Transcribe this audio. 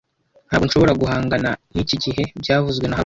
Ntabwo nshobora guhangana niki gihe byavuzwe na haruna